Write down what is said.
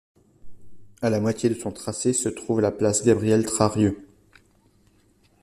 À la moitié de son tracé se trouve la place Gabriel-Trarieux.